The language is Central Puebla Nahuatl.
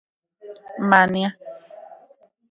Mania